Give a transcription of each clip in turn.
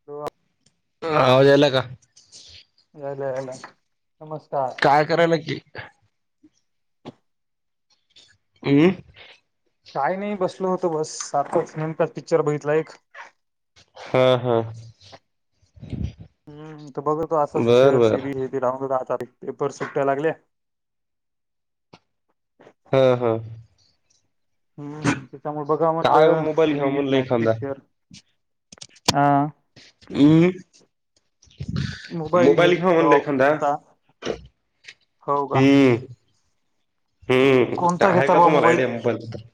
[unintelligible] आवाज यायला का? यायला यायला, नमस्कार. काय कराल की, हम्म, काही नाही बसल होतं बस, सात वाजेपर्यंत पिक्चर बघितला एक. हा हा, बर बर [unintelligible] हा हा हा, हम्म, त्याच्यामुळे बघा काय ओ म्हटलं मोबाईल घ्याव सिरीज म्हणलं नाही एखादा पिक्चर अ, हम, घे मोबाईल घेऊ म्हटला हो एखादा घेता हो का हम्म, हम्म, कोणता आहे घेता का बा तुम्हाला मोबाईल आयडिया मोबइल बदल तर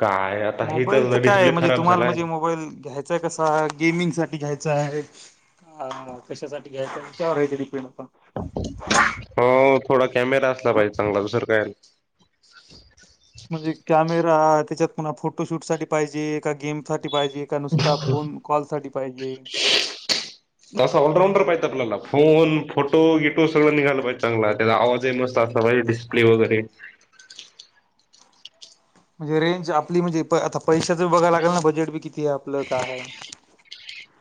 काय आता हे मोबाईलच तर काय डिस्प्ले म्हणजे खराब तुम्हाला झालाय म्हणजे मोबाईल घ्यायचाय, कसा गेमिंग साठी घ्यायचा आहे. हा, कशासाठी घ्यायचं त्यावर आहे. डिपेंड आपण हो थोडा कॅमेरा असला पाहिजे. चांगला दुसर काय नाही. म्हणजे कॅमेरा त्याच्यात पुन्हा फोटोशूट साठी पाहिजे का गेमसाठी पाहिजे. नुसता फोन कॉल साठी पाहिजे. असं ऑलराऊंडर पाहिजेत. आपल्याला फोन, फोटो इटो सगळं निघाल पाहिजे चांगल आ. त्याचा आवाज ही मस्त असला पाहिजे डिस्प्ले वगैरे, म्हणजे रेंज आपली म्हणजे आता पैशाचं बी बघायला लागेल, ना बजेट बी किती आहे आपलं काय हाय?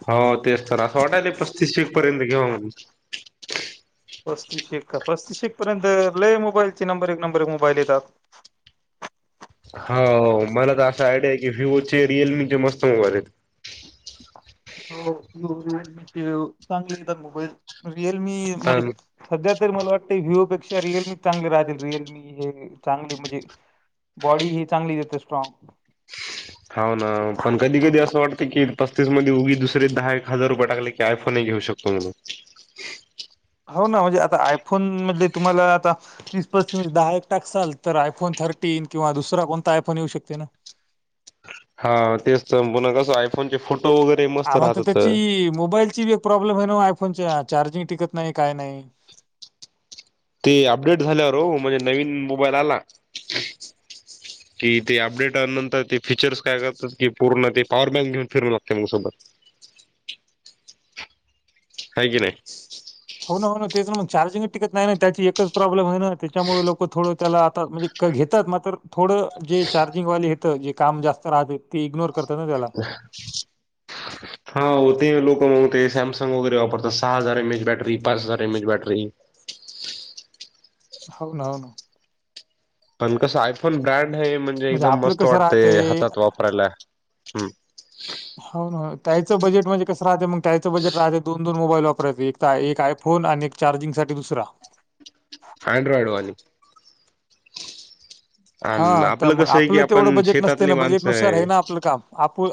हो, तेच तर असं वाटायल पस्तीसशे पर्यंत घेवा म्हणून. पस्तीसशे का पस्तीसशे पर्यंत लय मोबाईलचे नंबर एक नंबर एक मोबाईल येतात. हो, मला तर असा आयडिया आहे, की विवो रिअलमीचे मस्त मोबाईल आहेत. [unintelligible] पण सध्या तरी मला वाटतं, विवोपेक्षा रिअलमी चांगली राहतील. रिअलमी, रिअलमी हे चांगले म्हणजे बॉडी हे चांगली येते स्ट्रॉंग. हाव ना पण कधी कधी असं वाटतं की पस्तीस मध्ये उगीच दुसरे दहा - एक हजार रुपये टाकले की आय फोनही घेऊ शकतो मग, हो, ना म्हणजे आता आयफोन मधले तुम्हाला आता तीस पस्तीस दहा- एक टाकसल आंतर आहे. आयफोन थर्टीन किंवा दुसरा कोणता आयफोन येऊ शकते ना, हा तेच तर, मुलं कसं आयफोनचे फोटो वगैरे मस्त राहतातच. ही मोबाईल ची बी प्रॉब्लेम आहे ना आयफोनच्या चार्जिंग टिकत नाही काय नाही. ते अपडेट झाल्यावर हो म्हणजे नवीन मोबाईल आला. [inaudible] कि ते अपडेट आ नंतर ते फीचर्स काय करतात की पूर्ण ते पॉवर बँक घेऊन फिरू लागते मग सतत. हाय की नाई. हो ना, हो ना तेच ना मग चार्जिंगच टिकत नाही ना त्याची एकच प्रॉब्लेम आहे ना त्याच्यामुळे लोकं थोडं त्याला आता म्हणजे कधी तर मात्र थोडं जे चार्जिंगवाले येतं जे काम जास्त राहत ती इग्नोर करतात. त्याला. [unintelligible] हा, हो ते लोक मगते सॅमसंग वगैरे वापरतात सहा हजार एम एच बॅटरी, पाच हजार M H battery. How noun. पण कसं आयफोन ब्रँड आहे म्हणजे ते एकदम आपलं मस्त कसं वाटते राहते हातात वापरायला, हम्. हाऊ ना, त्याच बजेट म्हणजे कसं राहते मग त्याच बजट राहतें दू. दोन मोबाईल वापरायचे एकता एक आयफोन आणि एक चार्जिंग साठी दुसरा. अँड्रॉइड वाली [inaudible] हा तर आपलं मग कसं आहे की आपलं तेवढं आपण बजेट नसत शेतातली ना बजेट माणसं नुसार आहे ना आपलं काम आपू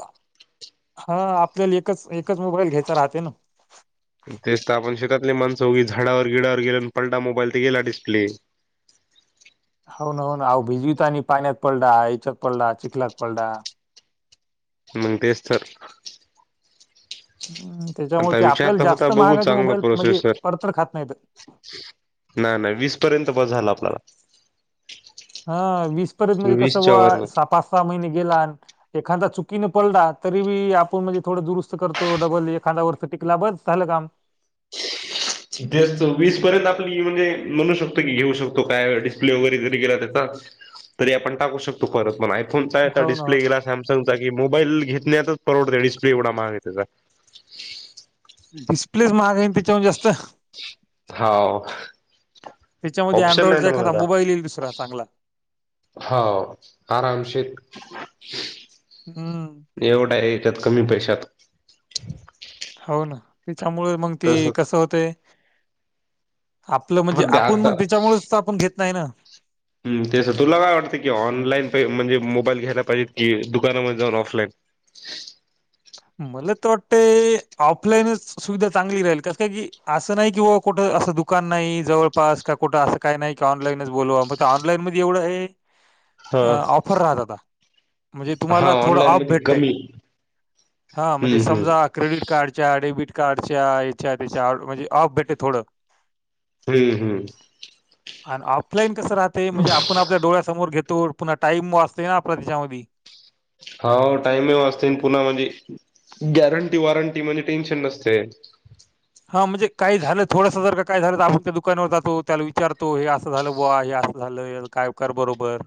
हा आपल्याला एकच एकच मोबाईल घ्यायचा राहते ना तेच तर आपण शेतातली माणस उगीच झाडावर गिडावर गेल आणि पडला मोबाईल तर गेला डिस्प्ले होना होना आहे विहिरीत आणि पाण्यात पडला याच्यात पडला चिखलात पडला मग तेेच तर. हम्म त्याच्यामुळे आता ते विचार आपल्याला तर होता जास्त बघू महागाचे मोबाईल म्हणजे पडतर खात नाहीत त नाय नाय वीस पर्यंत बस झालं आपल्याला हा वीस पर्यंत म्हणजे कसं वीसच्या बुवा वर नाही सहा पाच सहा महिने गेला एखादा चुकीने पडला तरी बी आपण म्हणजे थोडं दुरुस्त करतो डबल एखाद्या वर्ष टिकला बस झालं काम हेच तर वीस पर्यंत आपली म्हणजे म्हणू शकतो की घेऊ शकतो काय डिस्प्ले वगैरे जरी गेला त्याचा तरी आपण टाकू शकतो परत म्हणायत फोनचा आहे हो ना हो डिस्प्ले ना गेला सॅमसंगचा की मोबाईल घेतण्याचाच परवडतो डिस्प्ले एवढा महाग आहे त्याचा डिस्प्लेच महाग आहे न त्याच्याहुन जास्त हाव त्याच्यामध्ये ऑप्शन नाही अँड्रॉइडचा ना मग एखादा आता मोबाईल येईल दुसरा चांगला. हाव आरामशीत हम्म. एवढा याच्यात कमी पैशात हो ना त्याच्यामुळे मग ती तस कसं होतय आपलं म्हणजे सध्या आपण आता मग त्याच्यामुळेच तर आपण घेत नाही ना हम्म तेच तुला काय वाटतं की ऑनलाईन प म्हणजे मोबाईल घ्यायला पाहिजे की दुकानामध्ये जाऊन ऑफलाईन? [inaudible] मला तर वाटतय ऑफलाईनच सुविधा चांगली राहील कसं काय की असं नाही की बाबा कुठं असं दुकान नाही जवळास का कुठं असं काय नाही की ऑनलाईनच बोलवा मग तर ऑनलाईन मध्ये एवढं आहे हा अह ऑफर राहत आता म्हणजे हा तुम्हाला थोडं ऑनलाईन ऑफ मध्ये भेटतय. कमी हा म्हणजे हम्म हम्म समजा क्रेडिट कार्डच्या डेबिट कार्डच्या याच्या त्याच्या म्हणजे ऑफ भेटते थोडं. हम्म हम्म. आणि ऑफलाईन कसं राहते म्हणजे आपण आपल्या डोळ्यासमोर घेतो पुन्हा टाईम वाचत ना आपल त्याचामधी हाव टाईम ही वाचते अन् पुन्हा म्हणजे गॅरंटी वॉरंटी म्हणजे टेन्शन नसतयं. हा म्हणजे काही झालं थोडंसं जर काय झालं तर आपण त्या दुकानावर जातो, त्याला विचारतो हे असं झालं बुवा हे असं झालं काय कर बरोबर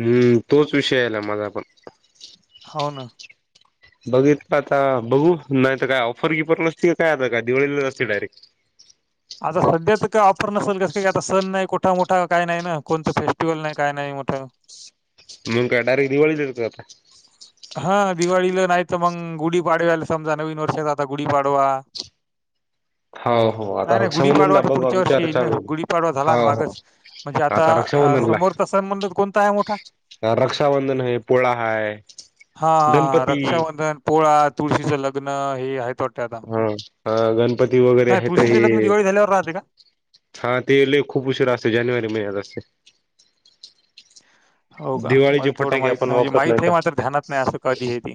हम्म तोच विषय आलाय माझा पण हो ना. बघितल आता बघू नाही तर काय ऑफर बिफर नस्ती का काय आता काय दिवाळीलाच असते डायरेक्ट आता सध्या तर काय ऑफर नसेल कसली काय आता सण नाही कोठा मोठा काही नाही ना कोणतं फेस्टिवल नाही काय नाही मोठ मग काय डायरेक्ट दिवाळीतच येतो आता हा दिवाळीला नाही तर मग गुढीपाडव्याला समजा नवीन वर्षाचा आता गुढीपाडवा हो हो नाही आता नाही गुढी पाडवा रक्षाबंधनला तर बघा पुढच्या वर्षी विचार येईल चालू गुढी पाडवा झाला ना आहे हो हो मागच म्हणजे आता समोरचा सण म्हणतात कोणता आहे मोठा? रक्षाबंधन हाय, पोळा हाय हा गणपती रक्षाबंधन, पोळा, तुळशीचं लग्न हे आहेत वा हम्म अह गणपती वगैरे आहे तर तुळशीचं लग्न हे दिवाळी झाल्यावर राहते का? हा ते लय खूप उशीरा असते जानेवारी महिन्यात असते हो का, दिवाळीचे मला तेवढं फटाके माहित आपण नाही म्हणजे वापरत माहित आहे का मात्र ध्यानात नाही असं कधी आहे ते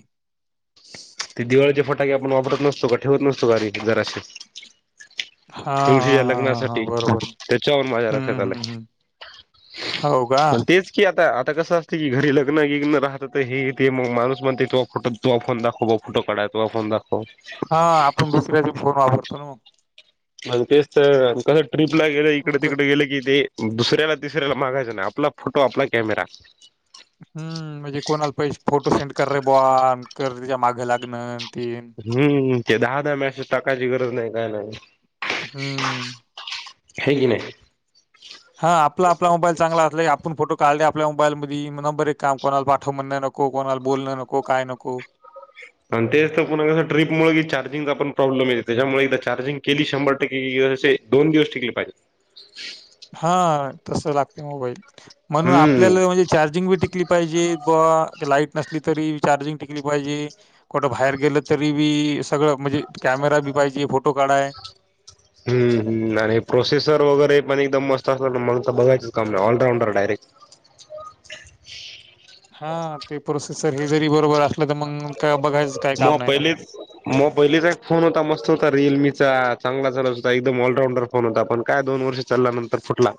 ते दिवाळीचे फटाके आपण वापरत नसतो का ठेवत नसतो का रे जराशी हा हा तुळशीच्या हा हा हा लग्नासाठी बरोबर त्याच्यावरुन माझ्या हम्म लक्षात हम्म आलं. हम्म हो का कि आता आता कसं असते की घरी लग्नि्न राहतात हे ते मग माणूस म्हणते तेव्हा फोटो तो फोनदाखव ब फटो काढय तो फन दखव. हा आपण दुसऱ्याचे फोन वापरतो ना. म्हण तेच तर कसं ट्र्रीप ला गेलं इकडे उग तिकडे गेले की ते दुसऱ्याला तिसऱ्याला मागायच नाही, आपला फोटो आपला कॅमेरा हम्म म्हणजे कोणाला पैसे फोटो सेंड कर रे बॉ कर त्याच्या माग लागण ती हम्म ते दहा दहा मॅसे टाकायची गरज नाही काय नाही. हम्म. हय की नाही. हा आपला आपला मोबाईल चांगला असला आपण फोटो काढले, आपल्या मोबाईल म नंबर एक काम कोणाला पाठव म्हण नको. को कोणाला बोलणं नको काय नको. आणि तेच तर पुन्हा कसं ट्रिपमुळे की चार्जिंगचा पण प्रॉब्लेम येते त्याच्यामुळे एकदा चार्जिंग केली शंभर टक्के असे दोन दिवस टिकले पाहिजे. हा तस लागते मोबाईल म्हणून हम्म आपल्याला म्हणजे चार्जिंग बटीक टिकली पाहिजे ब लाईट नसली तरी चार्जिंग टिकली पाहिजे. कुठं बाहेर गेलं तरी बी सगळं म्हणजे कॅमेरा बी पाहिजे फोटो काढाय. ह् ह् आणि प्रोसेसर वगैरे पण एकदम मत असलं ना मग बघायच काम नाही ऑलराऊंडर डायरेक्ट हा ते प्रोसेसर हे जरी बरोबर असलं तर मग. का बघाय. मग पहिलेच. मग पहिलीचा एक फोन होता मस्त होता रिअलमीचा चांगला चात होता एकदम ऑलराऊंडर फोन होता पण काय दोन वर्षात. चालला नंतर फुटला.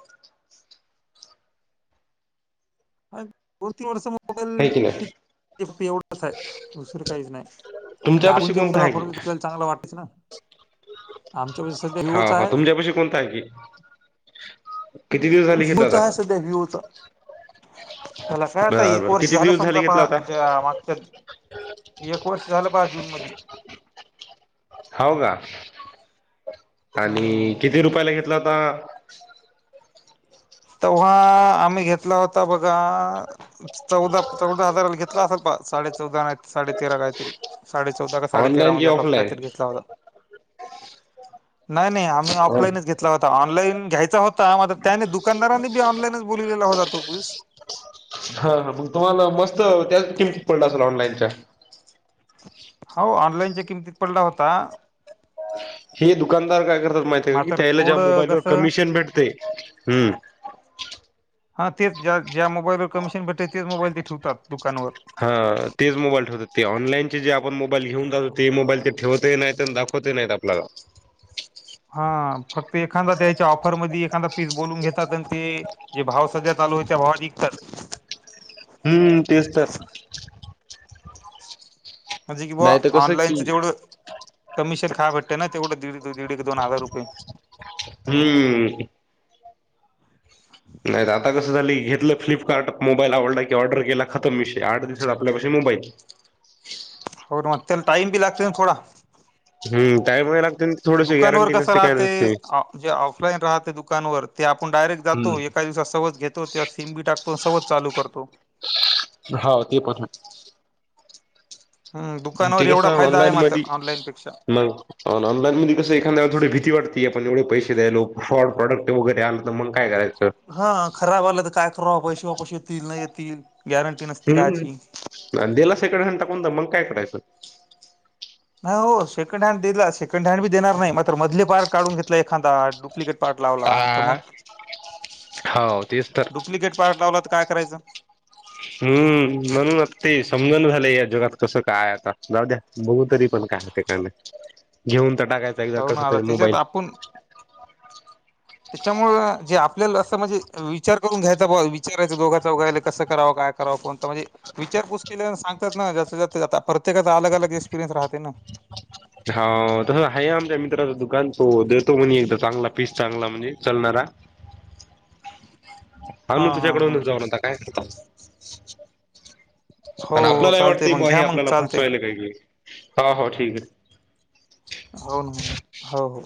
दोन तीन वर्ष मोबाईल आहे की नाही टिकते एवढंच आहे दुसरं काहीच नाही. े आपण तुमच्यापाशी जे कोणता मोबाईलला आहे वापरतो ते की आपल्याला चांगला वाटतेचं ना. आमच्या पाशी सध्या होा व्हिवोचा होा तुमच्यापशी कोणता आहे की. किती दिवस झाले घेतला व्ह्यूचा आहे होता सध्या व्हूचा. त्याला काय आता बर एक बर वर्ष किती झालं दिवस समजा झाले घेतला होता आपणणेग त्यात एक वर्ष झालं पहा जून मधी. हो का हा. आणि किती रुपयाला घेतला होता. तेव्हा आम्ही घेतला होता बघा चौदा चौदा हजार घेतला. घेतला असेल बा साडे चौदा नाही साडे तेरा काहीतरी साडे चौदा का साडे तेरा ऑनलाईन कि मध्ये असच ऑफलाईन काहीतरी घेतला होता. नाही नाही आम्ही ऑफलाईनच घेतला होता ऑनलाईन घ्यायचा होता मझ त्याने दुकान दारांनी बी ऑनलाईनच बोलवलेला होता तोपीस हा हा मग तुम्हाला मस्त त्याच किमतीत पडला असेल ऑनलाइनच्या हो ऑनलाईनच्या किमतीत पडला होता. हे दुकानदार काय करतात माहिती का की मात्र त्याला ज्या थोडं मोबाईलवर कसं कमिशन भेटते हम्. हां तेच ज्या ज्या मोबाईलवर कमिशन भेटेते तेच मोबाईल ते ठेवतात दुकानवर हा तेच मोबाईल ठेवतात ते ऑनलाईनचे जे आपण मोबाईल घेऊन जातो, ते मोबाईल ते ठेवत नाही दाखव. होते नाहीत आपल्याला हा फक्त एखादा त्याच्या ऑफरमध्ये एखादा पीस बोलून घेतात आणि ते जे भाव सध्या चालू होयच्या भावातत हम्म तीच तर म्हणजे की बा नाही तर कसं की ऑनलाईनचं जेवढं कमिशन खा भेतय ना तेवढं दीड दीड दोन हजार रुपये. हम्म. नाही आता कसं झाली घेतलं फ्लिपकार्ट मोबाईल आवडला की ऑर्डर केला खतम विषय आठ दिवस आपल्यापाशी मोबाईल होर म टाइमी लागते थोडा. हम् त्यायमुळे लागते थोडशी दुकानवर गॅरंटी कसं नसते काय राहते नसते. जे ऑफलाईन राहते दुकानवर ते आपण डायरेक्ट हम्म जातो एका दिवसात सहज घेतो. तो त्यात सिम बी टाकतो [unintelligible] चालू करतो हा ते पण हाय. हम्म ते दुकानावर कस एवढा फायदा आहे ऑनलाईन मात्र मधी ऑनलाईन पेक्षा मगं आणि ऑनलाईन म कसं एखाद्यावर थोडी भीती वाटती आपण एवढे पैसे द्यायलो फॉड प्रॉडक्ट वगैरे आलं तर मग काय करायचं. हा खराब आला तर काय कराव पैसे वापस येतील नाही येतील गॅरंटी नसती हम्म कायची. दिला सेकंड हॅन्ड दिला तर मग काय करायचं. नाही हो सेकंड हँड दिला सेकंड हँड बी देणार नाही मात्र मधले पार्ट काढून घेतला एखादा डुप्लिकेट पार्ट लावला तर हा मग हो तेच तर डुप्लिकेट पार्ट लावला तर काय करायचं. हम्म म्हणूनच ते समजून झालं या जगात कसं काय आता जाऊ द्या बघू तरी. पण कारणा कारणी घेऊन तर टाकायच एकदा कस तरी मोबाईल. ह [inaudible] त्याच्यामुळ जे आपल्याला असं म्हणजे विचार करून घ्यायचा बाबा विचारायचं दोघांच चौघा ले कसं करावं काय. करा कोणता तर म्हणजे विचारपूस केली सांगतात ना जास्त [unintelligible] प्रत्येकाचा अलग अलग एक्पिरियनस राहते ना. हा तसं आहे आमच्या मित्राचं दुकान तो देतो म्हने एकदा चांगला पीस चांगला म्हणजे चलणारा. आणू हा हा हा त्याचाकडून जाऊ नआता काय करता. हो आणि हो आपल्यालाही चालते वाटतं मग बा हे घ्या मग आपल्याला चालते फसवायल काय ह हो ठीक आहे. होन होन हो हो